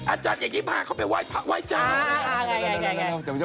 อะไรกัน